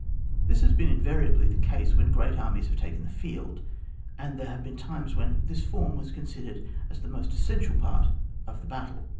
This has been invariably the case when great armies have taken the field, and there have been times when this form was considered as the most essential part of the battle.